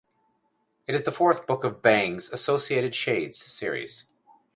It is the fourth book of Bangs' Associated Shades series.